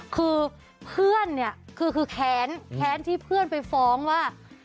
คือเพื่อนเนี่ยคือแค้นแค้นที่เพื่อนไปฟ้องว่า